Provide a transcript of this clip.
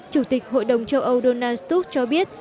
chủ tịch hội đồng châu âu donald stov cho biết